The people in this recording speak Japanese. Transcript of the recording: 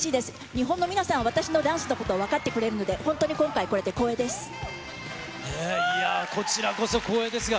日本の皆さん、私のダンスのこと、分かってくれるので、本当に今回、いやー、こちらこそ光栄ですよ。